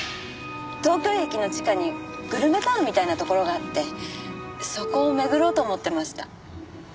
東京駅の地下にグルメタウンみたいなところがあってそこを巡ろうと思ってました。